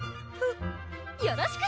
よろしく！